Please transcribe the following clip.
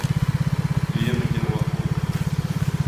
Du ger mig gråa hår!